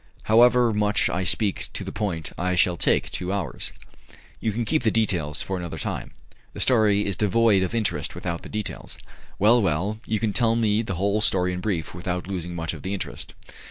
"However much I speak to the point, I shall take two hours." "You can keep the details for another time." "The story is devoid of interest without the details" "Well, well, you can tell me the whole story in brief, without losing much of the interest."